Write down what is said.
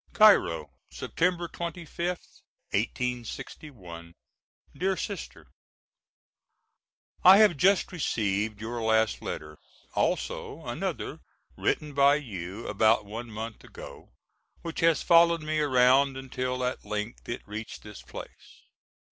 ] Cairo, September 25th, 1861. DEAR SISTER: I have just received your last letter, also another written by you about one month ago, which has followed me around until at length it reached this place.